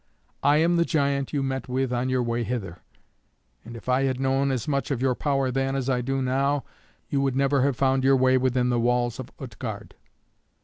I am the giant you met with on your way hither, and if I had known as much of your power then as I do now, you would never have found your way within the walls of Utgard.